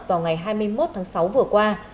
vào ngày hai mươi một tháng sáu vừa qua